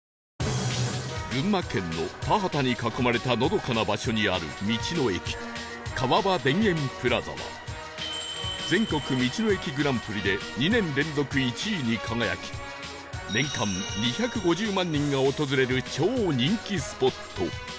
群馬県の田畑に囲まれたのどかな場所にある道の駅川場田園プラザは全国道の駅グランプリで２年連続１位に輝き年間２５０万人が訪れる超人気スポット